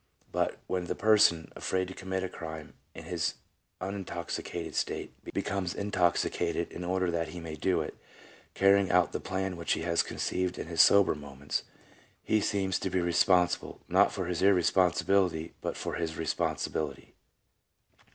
But when the person, afraid to commit a crime in his unintoxicated state, becomes intoxicated in order that he may do it, carrying out the plan which he has conceived in his sober moments, he seems to be responsible, not for his irresponsibility, but for his responsibility.